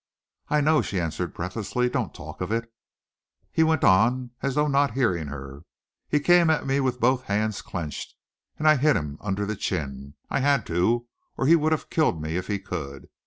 "I know," she answered breathlessly. "Don't talk of it." He went on, as though not hearing her. "He came at me with both hands clenched, and I hit him under the chin. I had to, or he would have killed me if he could.